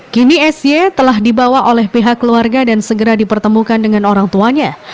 kini sy telah dibawa oleh pihak keluarga dan segera dipertemukan dengan orang tuanya